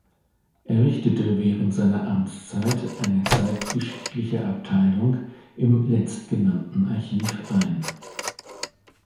Er richtete während seiner Amtszeit eine zeitgeschichtliche Abteilung in letztgenanntem Archiv ein.